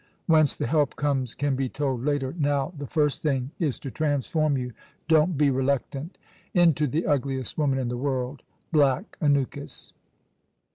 Whence the help comes can be told later. Now, the first thing is to transform you don't be reluctant into the ugliest woman in the world black Anukis.